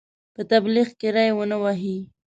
په تبلیغ کې ری ونه وهي.